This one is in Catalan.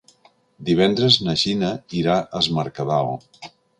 Divendres na Gina irà a Es Mercadal.